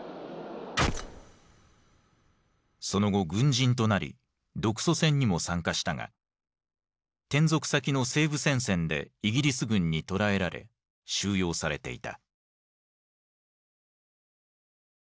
その後軍人となり独ソ戦にも参加したが転属先の西部戦線でイギリス軍に捕らえられ収容されていた。